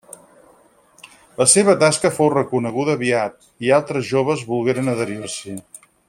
La seva tasca fou reconeguda aviat, i altres joves volgueren adherir-s'hi.